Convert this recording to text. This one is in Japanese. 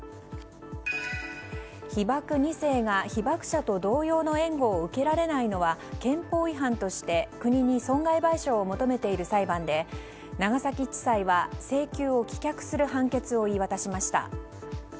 被爆２世が被爆者と同様の援護を受けられないのは憲法違反として国に損害賠償を求めている裁判で長崎地裁は請求を棄却する判決を言い渡しました。